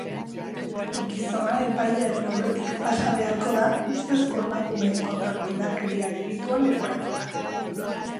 Gizona epailearen aurretik pasa beharko da, ustezko emakumeen kontrako indarkeria delitua leporatuta.